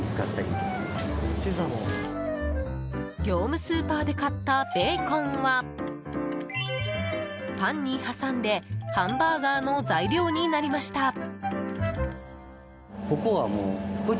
業務スーパーで買ったベーコンはパンに挟んでハンバーガーの材料になりました。